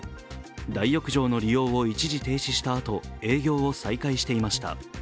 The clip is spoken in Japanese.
大浴場の利用を一時停止したあと、営業を再開していました。